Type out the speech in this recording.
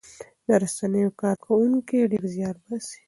د رسنیو کارکوونکي ډېر زیار باسي.